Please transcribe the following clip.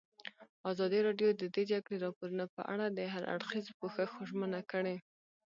ازادي راډیو د د جګړې راپورونه په اړه د هر اړخیز پوښښ ژمنه کړې.